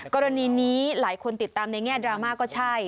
กรณีนี้หลายคนติดตามในแง่ดราม่าก็ใช่